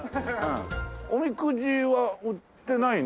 おみくじは売ってないね。